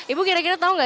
ibu kira kira tahu nggak